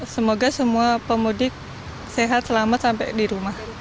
semoga semua pemudik sehat selamat sampai di rumah